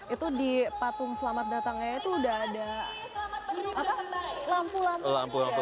itu di patung selamat datangnya itu udah ada lampu lampunya